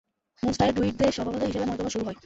মুনস্টারের ড্রুইডদের সভাস্থল হিসেবে ম্যাক্রোম শুরু হয়।